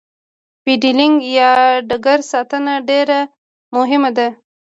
فیلډینګ یا ډګر ساتنه ډېره مهمه ده.